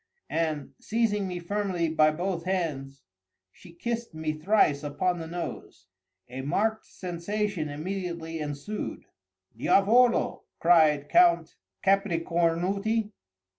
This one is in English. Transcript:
—and, seizing me firmly by both hands, she kissed me thrice upon the nose. A marked sensation immediately ensued. "Diavolo!" cried Count Capricornutti.